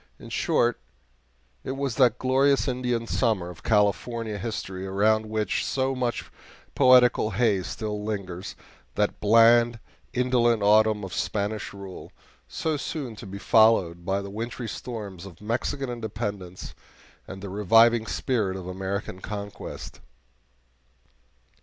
In short, it was that glorious Indian summer of California history around which so much poetical haze still lingers that bland, indolent autumn of Spanish rule, so soon to be followed by the wintry storms of Mexican independence and the reviving spring of American conquest.